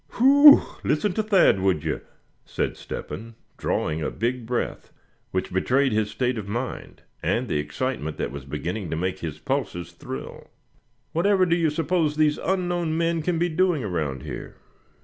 "Whew! listen to Thad, would you?" said Step hen, drawing a big breath, which betrayed his state of mind, and the excitement that was beginning to make his pulses thrill. "Whatever do you suppose these unknown men can be doing around here?"